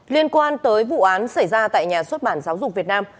liên quan tới vụ án xảy ra tại nhà xuất bản giáo dục việt nam